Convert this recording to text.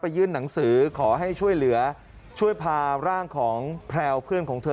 ยื่นหนังสือขอให้ช่วยเหลือช่วยพาร่างของแพลวเพื่อนของเธอ